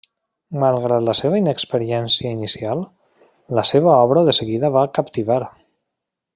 Malgrat la seva inexperiència inicial, la seva obra de seguida va captivar.